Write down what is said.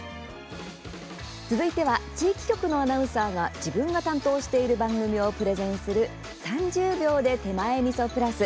続いては地域局のアナウンサーが自分が担当している番組をプレゼンする「３０秒で手前みそプラス」。